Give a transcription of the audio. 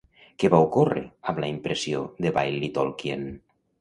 Què va ocórrer amb la impressió de Baillie Tolkien?